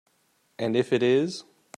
And if it is?